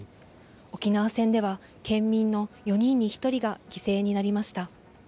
沖縄戦では県民の４人に１人が犠牲になりました。